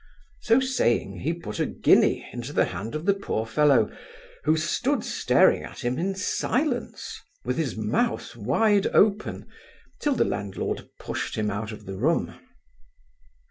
So saying, he put a guinea into the hand of the poor fellow, who stood staring at him in silence, with his mouth wide open, till the landlord pushed him out of the room.